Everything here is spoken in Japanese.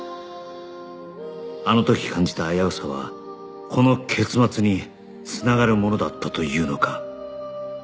あの時感じた危うさはこの結末に繋がるものだったというのか